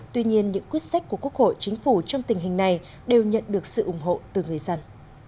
tuy nhiên những quyết sách của quốc hội chính phủ trong tình hình này đều nhận được sự ủng hộ từ người dân